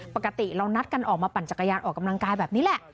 ปกติเรานัดกันออกมาปั่นจักรยานออกกำลังกายแบบนี้แหละ